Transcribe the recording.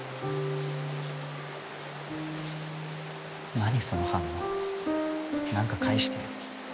何その反応何か返してよ。